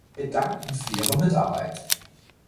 Wir danken für Ihre Mitarbeit.